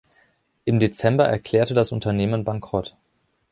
Im Dezember erklärte das Unternehmen Bankrott.